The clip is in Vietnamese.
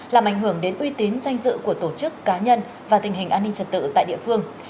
làm ảnh hưởng đến uy tín danh dự của tổ chức cá nhân và tình hình an ninh trật tự tại địa phương